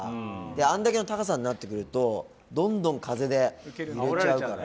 あんだけの高さになってくると、どんどん風で揺れちゃうから。